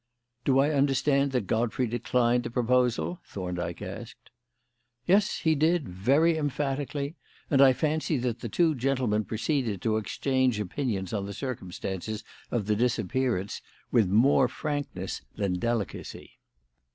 "Do I understand that Godfrey declined the proposal?" Thorndyke asked. "Yes, he did, very emphatically; and I fancy that the two gentlemen proceeded to exchange opinions on the circumstances of the disappearance with more frankness than delicacy."